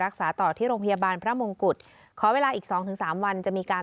รักษาต่อที่โรงพยาบาลพระมงกุฎขอเวลาอีกสองถึงสามวันจะมีการ